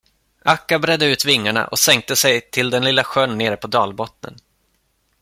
Akka bredde ut vingarna och sänkte sig till den lilla sjön nere på dalbottnen.